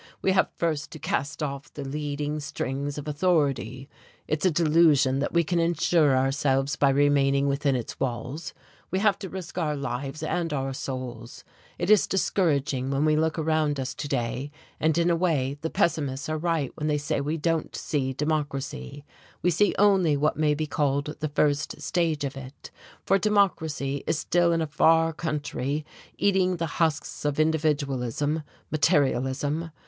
We have first to cast off the leading strings of authority. It's a delusion that we can insure ourselves by remaining within its walls we have to risk our lives and our souls. It is discouraging when we look around us to day, and in a way the pessimists are right when they say we don't see democracy. We see only what may be called the first stage of it; for democracy is still in a far country eating the husks of individualism, materialism.